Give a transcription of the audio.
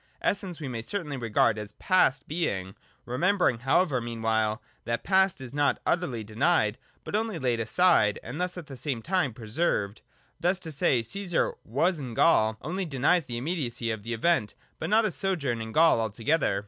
Essence we may certainly regard as past Being, remembering however meanwhile that the past is not utterly denied, but only laid aside and thus at the same time preserved. Thus, to say, Caesar was in Gaul, only denies the immediacy of the event, but not his sojourn in Gaul altogether.